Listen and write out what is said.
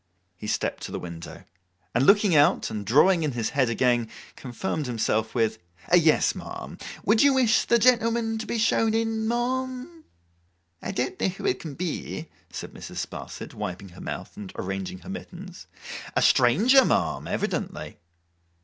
He stepped to the window; and looking out, and drawing in his head again, confirmed himself with, 'Yes, ma'am. Would you wish the gentleman to be shown in, ma'am?' 'I don't know who it can be,' said Mrs. Sparsit, wiping her mouth and arranging her mittens. 'A stranger, ma'am, evidently.